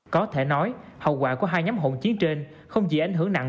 có thể nói hậu quả của hai nhóm hỗn chiến trên không chỉ ảnh hưởng nặng